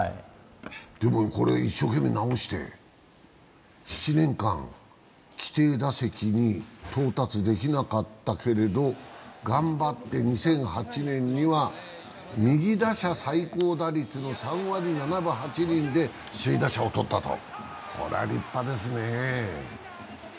これ一生懸命治して、７年間、規定打席に到達できなかったけれど、頑張って２００８年には右打者最高打率の３割７分８厘で首位打者を取ったとこれは立派ですね。